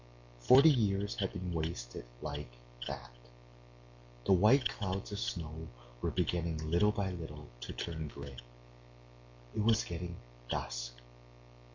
Forty years had been wasted like that. The white clouds of snow were beginning little by little to turn gray. It was getting dusk.